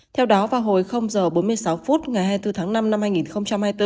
theo đó vào hồi h bốn mươi sáu phút ngày hai mươi bốn tháng năm năm hai nghìn hai mươi bốn